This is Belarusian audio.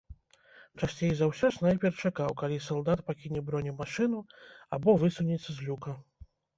Часцей за ўсё снайпер чакаў, калі салдат пакіне бронемашыну або высунецца з люка.